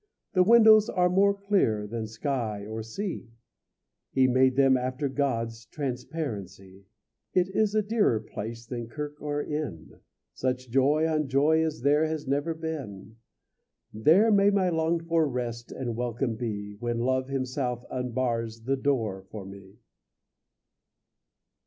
The windows are more clear Than sky or sea; He made them after God's Transparency. It is a dearer place Than kirk or inn; Such joy on joy as there Has never been. There may my longed for rest And welcome be, When Love himself unbars The door for me!